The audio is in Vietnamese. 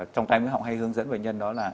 trong tay mới họ hay hướng dẫn bệnh nhân đó là